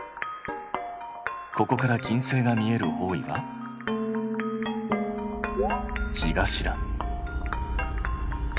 ここから金星が見える方位は東だ。